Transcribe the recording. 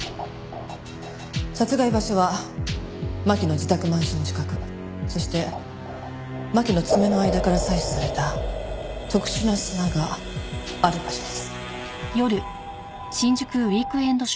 殺害場所は真輝の自宅マンション近くそして真輝の爪の間から採取された特殊な砂がある場所です。